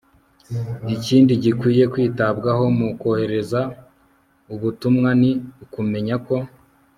ikindi gikwiye kwitabwaho mu kohereza ubutumwa, ni ukumenya ko